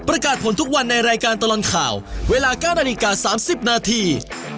ประกาศผลทุกวันในรายการตลอดข่าวเวลาก้านอนิกาสามสิบนาที